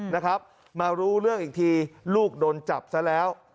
นะครับมารู้เรื่องอีกทีลูกโดนจับซะแล้ว